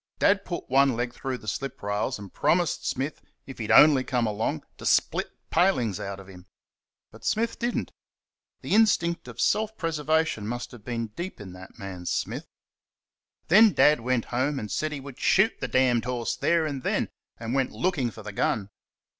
Dad put one leg through the slip rails and promised Smith, if he'd only come along, to split palings out of him. But Smith did n't. The instinct of self preservation must have been deep in that man Smith. Then Dad went home and said he would shoot the horse there and then, and went looking for the gun.